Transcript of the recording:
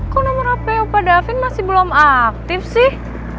kok nomor hp opa davin masih belum aktif sih